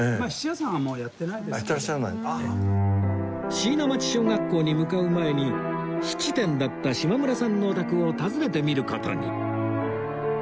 椎名町小学校に向かう前に質店だった島村さんのお宅を訪ねてみる事に